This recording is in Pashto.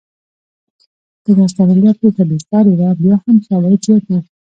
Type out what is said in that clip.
که د استرالیا پېښه بې ساري وه، بیا هم شواهد زیات دي.